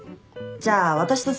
じゃあ私と雀